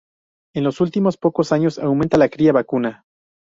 En los últimos pocos años aumenta la cría vacuna.